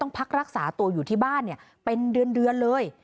ต้องพักรักษาตัวอยู่ที่บ้านเนี้ยเป็นเดือนเดือนเลย